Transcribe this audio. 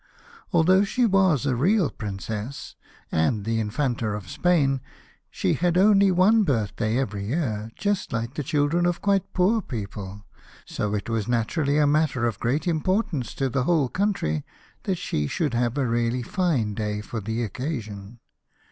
Although she was a real Princess and the Infanta of Spain, she had only one birthday every year, just like the children of quite poor people, so it was naturally a matter of great importance to the whole country that she should have a really fine day for the occasion.